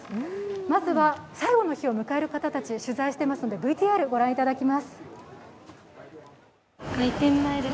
まずは最後の日を迎える方たち取材しておりますのでＶＴＲ、ご覧いただきます。